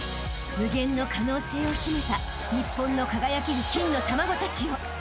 ［無限の可能性を秘めた日本の輝ける金の卵たちよ］